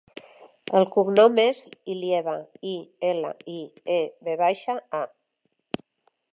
El cognom és Ilieva: i, ela, i, e, ve baixa, a.